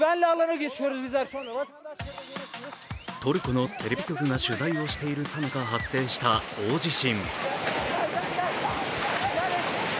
トルコのテレビ局が取材をしているさなか発生した大地震。